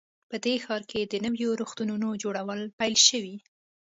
په دې ښار کې د نویو روغتونونو جوړول پیل شوي